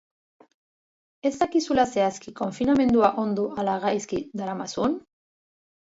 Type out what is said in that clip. Ez dakizula zehazki konfinamendua ondo ala gaizki daramazun?